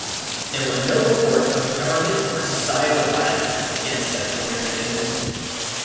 There were no reports of government or societal violence against such organizations.